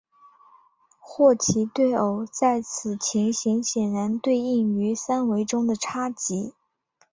霍奇对偶在此情形显然对应于三维中的叉积。